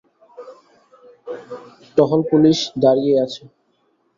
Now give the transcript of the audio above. টহল পুলিশ দাঁড়িয়ে আছে।